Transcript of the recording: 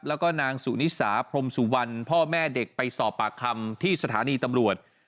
แล้วก็นางสุนิสาพรมสุวรรณพ่อแม่เด็กไปสอบปากคำที่สถานีตำรวจ